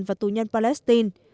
và tù nhân palestine